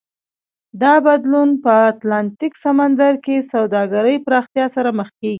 دا بدلون په اتلانتیک سمندر کې سوداګرۍ پراختیا سره مخ کېږي.